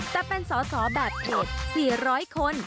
แต่เป็นสอสอแบบเขต๔๐๐คน